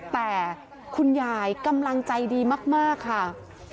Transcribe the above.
แต่คุณยายกำลังใจดีมากค่ะ